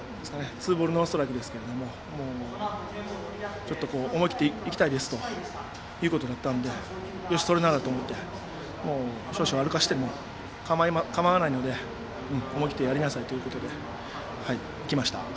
ツーボールノーストライクですが思い切っていきたいですということだったのでよし、それならと思って少々歩かせてもかまわないので思い切ってやりなさいといきました。